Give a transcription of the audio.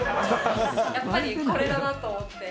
やっぱりこれだなと思って。